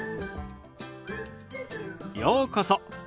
ようこそ。